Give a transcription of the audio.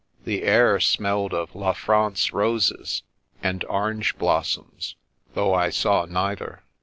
The air smelled of La France roses and orange blossoms, though I saw neither.